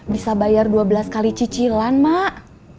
bisa bayar dua belas kali cicilan mak